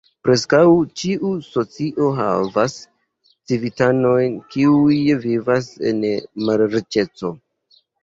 Preskaŭ ĉiu socio havas civitanojn kiuj vivas en malriĉeco.